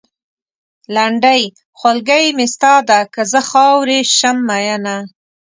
لنډۍ؛ خولګۍ مې ستا ده؛ که زه خاورې شم مينه